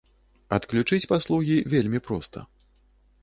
Адключыць паслугі вельмі проста.